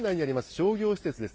商業施設です。